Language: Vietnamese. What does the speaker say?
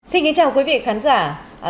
xin kính chào quý vị khán giả